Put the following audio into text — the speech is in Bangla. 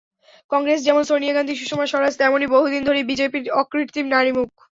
কংগ্রেসে যেমন সোনিয়া গান্ধী, সুষমা স্বরাজ তেমিন বহুদিন ধরেই বিজেপির অকৃত্রিম নারীমুখ।